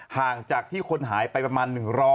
ห่างจากที่คนหายไปประมาณ๑๐๐